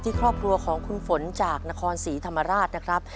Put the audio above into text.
ครอบครัวของคุณฝนจากนครศรีธรรมราชนะครับ